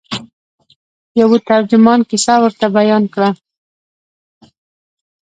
یوه ترجمان کیسه ورته بیان کړه.